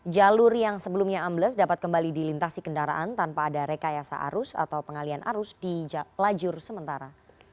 jalur yang sebelumnya ambles dapat kembali dilintasi kendaraan tanpa ada rekayasa arus atau pengalian arus di lajur sementara